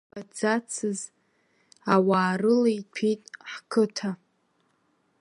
Иаҳамбаӡацыз ауаа рыла иҭәит ҳқыҭа.